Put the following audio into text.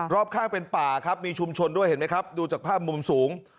รอบข้างเป็นป่าครับมีชุมชนด้วยเห็นไหมครับดูจากภาพมุมสูง